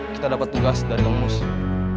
kita disuruh cari mertuanya kang mus yang hilang di pasar